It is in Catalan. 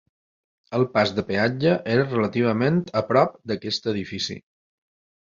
El pas de peatge era relativament a prop d'aquest edifici.